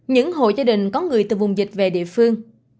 những hộ gia đình có người từ vùng dịch về địa phương